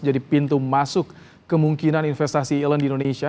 jadi pintu masuk kemungkinan investasi elon di indonesia